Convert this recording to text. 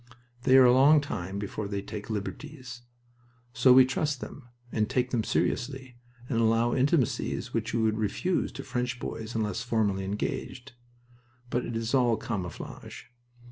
They are a long time before they take liberties. So we trust them, and take them seriously, and allow intimacies which we should refuse to French boys unless formally engaged. But it is all camouflage.